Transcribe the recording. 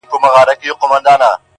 زما له زړه څخه غمونه ولاړ سي.